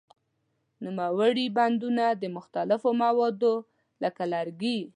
نوموړي بندونه د مختلفو موادو لکه لرګي.